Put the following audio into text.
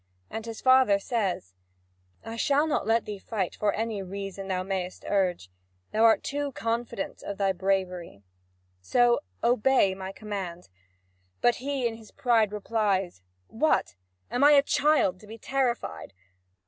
And his father says: "I shall not let thee fight for any reason thou mayest urge. Thou art too confident of thy bravery. So obey my command." But he in his pride replies: "What? Am I a child to be terrified?